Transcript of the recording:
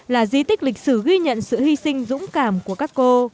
là di tích lịch sử ghi nhận sự hy sinh dũng cảm của các cô